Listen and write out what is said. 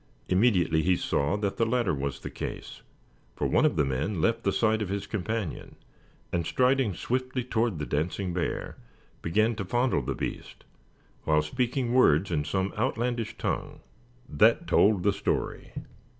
Immediately he saw that the latter was the case, for one of the men left the side of his companion, and striding swiftly toward the dancing bear, began to fondle the beast, while speaking words in some outlandish tongue. That told the story.